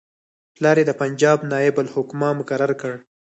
پلار یې د پنجاب نایب الحکومه مقرر کړ.